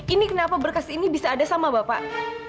ini kenapa berkas ini bisa ada sama bapak